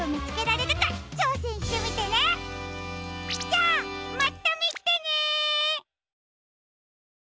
じゃあまたみてね！